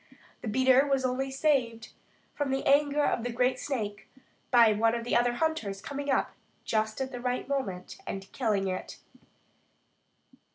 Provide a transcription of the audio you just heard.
The beater was only saved from the anger of the great snake by one of the other hunters coming up just at the right moment and killing it.